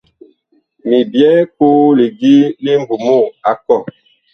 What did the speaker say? Mi byɛɛ koo lidi li mbumug a kɔh.